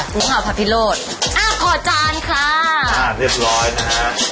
งูเห่าพระพิโรธอ่าขอจานค่ะอ่าเรียบร้อยนะฮะ